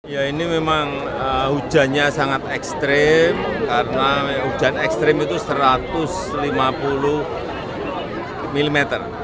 ya ini memang hujannya sangat ekstrim karena hujan ekstrim itu satu ratus lima puluh mm